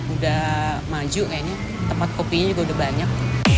udah maju kayaknya tempat kopinya juga udah banyak